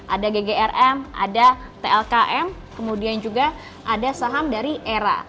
ada ggrm ada tlkm kemudian juga ada saham dari era